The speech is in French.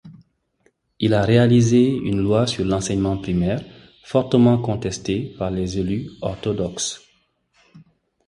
Il a réalisé une loi sur l'Enseignement primaire, fortement contestée par les élus orthodoxes.